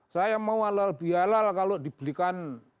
saya mau halal bihalal kalau dibelikan